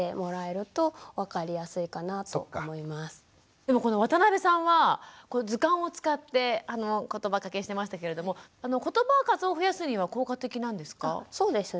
でもこの渡邊さんは図鑑を使ってことばかけしてましたけれどもことば数を増やすには効果的なんですか？